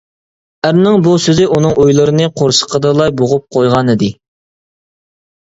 ئەرنىڭ بۇ سۆزى ئۇنىڭ ئويلىرىنى قورسىقىدىلا بوغۇپ قويغانىدى.